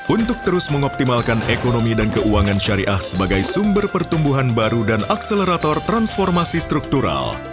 untuk terus mengoptimalkan ekonomi dan keuangan syariah sebagai sumber pertumbuhan baru dan akselerator transformasi struktural